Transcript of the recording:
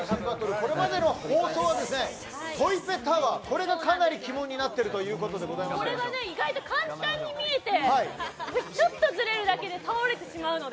これまでの放送はトイペタワーこれがかなりこれが簡単に見えてちょっとずれるだけで倒れてしまうので。